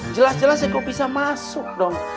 jelas jelas eko bisa masuk dong